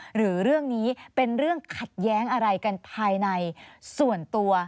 หรือเรื่องนี้เป็นเรื่องขัดแย้งอะไรกันภายในส่วนตัว